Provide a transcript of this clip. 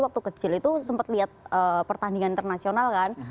waktu kecil itu sempat lihat pertandingan internasional kan